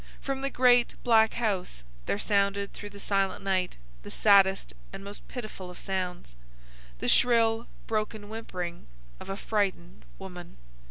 From the great black house there sounded through the silent night the saddest and most pitiful of sounds,—the shrill, broken whimpering of a frightened woman.